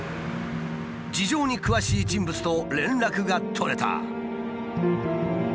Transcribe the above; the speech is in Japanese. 事情に詳しい人物と連絡が取れた。